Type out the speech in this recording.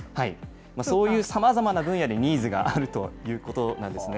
そういうさまざまな分野でニーズがあるということなんですね。